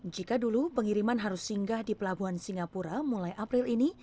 jika dulu pengiriman harus singgah di pelabuhan singapura mulai april ini